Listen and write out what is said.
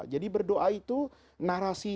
jadi berdoa itu narasi